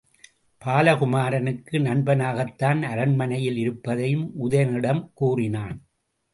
பாலகுமரனுக்கு நண்பனாகத்தான் அரண்மனையில் இருப்பதையும் உதயணனிடம் கூறினான்.